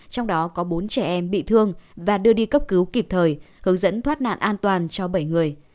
trong đó có bốn trẻ em bị thương và đưa đi cấp cứu kịp thời hướng dẫn thoát nạn an toàn cho bảy người